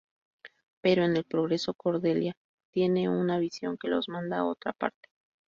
Pero en el progreso Cordelia tiene una visión que los manda a otra parte.